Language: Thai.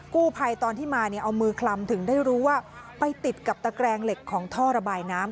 กู้ภัยตอนที่มาเนี่ยเอามือคลำถึงได้รู้ว่าไปติดกับตะแกรงเหล็กของท่อระบายน้ำ